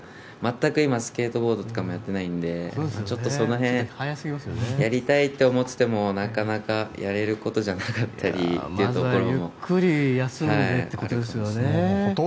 全く今、スケートボードとかもやってないのでちょっとその辺やりたいと思っていてもなかなかやれることじゃなかったりというところも。